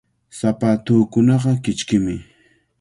Sapatuukunaqa kichkimi.